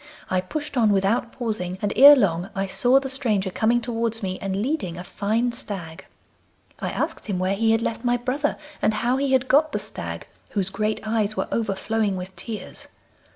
I pushed on without pausing, and ere long I saw the stranger coming towards me, and leading a fine stag. I asked him where he had left my brother, and how he had got the stag, whose great eyes were overflowing with tears.